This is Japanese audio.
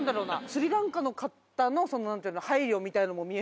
スリランカの方の配慮みたいのも見えて。